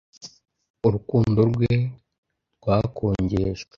urukundo rwe rwakongejwe